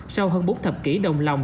sau hơn bốn thập kỷ đồng lòng